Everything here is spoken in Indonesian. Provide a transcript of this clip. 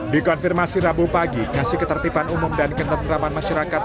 dikonfirmasi rabu pagi kasih ketertiban umum dan ketentraman masyarakat